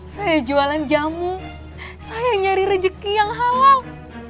saya jualan jamu saya nyari rejeki yang halal